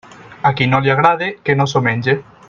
A qui no li agrade, que no s'ho menge.